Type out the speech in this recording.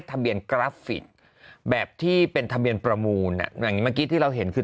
ทะเบียนกลอนแบบที่เป็นทะเบียนประมูลในกีฟต์ที่เราเห็นคือ